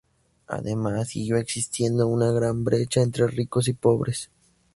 Además, siguió existiendo una gran brecha entre ricos y pobres.